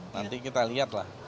nanti kita lihat lah